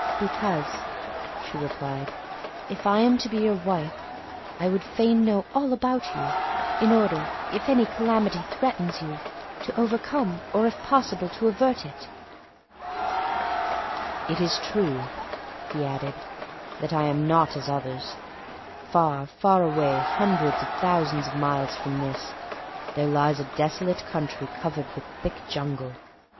"Because," she replied. "if I am to be your wife, I would fain know all about you, in order, if any calamity threatens you, to overcome, or if possible to avert it." "It is true," he added, "that I am not as others. Far, far away, hundreds of thousands of miles from this, there lies a desolate country covered with thick jungle.